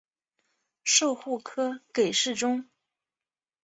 授户科给事中。